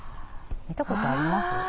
見たことあります？